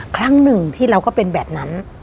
ครั้งหนึ่งที่เราก็เป็นแบบนั้น